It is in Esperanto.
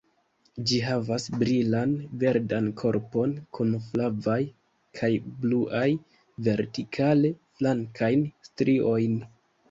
Ĝi havas brilan verdan korpon kun flavaj kaj bluaj, vertikale flankajn striojn.